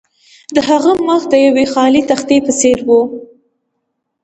د هغه مخ د یوې خالي تختې په څیر و